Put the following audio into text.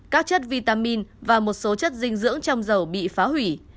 các chất vitamin và một số chất dinh dưỡng trong dầu bị phá hủy